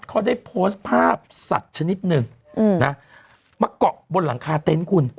เขาได้โพสต์ภาพสัตว์ชนิดหนึ่งนะมาเกาะบนหลังคาเต็นต์คุณ